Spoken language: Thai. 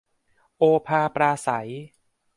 โอภาปราศรัย